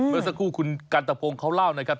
เมื่อสักครู่คุณกันตะพงเขาเล่านะครับ